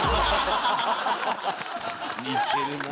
似てるな。